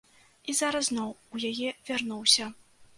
І зараз зноў у яе вярнуўся.